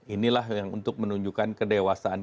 inilah yang untuk menunjukkan kedewasaan